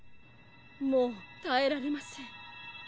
「もうたえられません」。